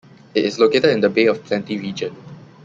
It is located in the Bay of Plenty region.